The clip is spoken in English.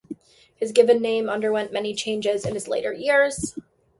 His given name underwent many changes in his later years.